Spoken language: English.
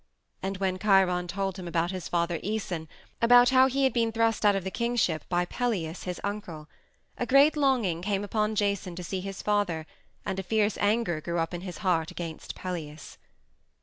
And when Chiron told him about his father Æson about how he had been thrust out of the kingship by Pelias, his uncle a great longing came upon Jason to see his father and a fierce anger grew up in his heart against Pelias.